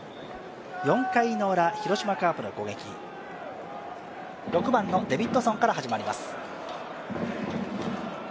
４回ウラ、広島カープの攻撃６番のデビッドソンから始まります